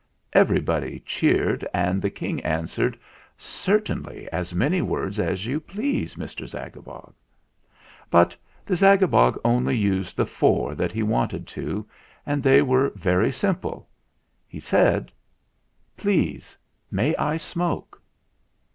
Everybody cheered and the King answered : "Certainly as many words as you please, Mr. Zagabog." But the Zagabog only used the four that he wanted to, and they were very simple. He said : "Please may I smoke